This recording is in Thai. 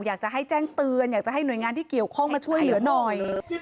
อยากจะให้แจ้งเตือนอยากจะให้หน่วยงานที่เกี่ยวข้องมาช่วยเหลือหน่อย